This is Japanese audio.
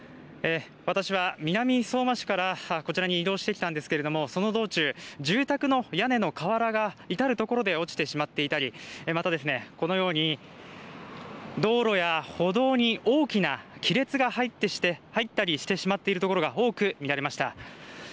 私は南相馬市からこちらに移動してきたんですけれどもその道中、住宅の屋根の瓦が至る所で落ちてしまっていたりまた、このように道路や歩道に大きな亀裂が入ったりしてしまっている所が多く見られました。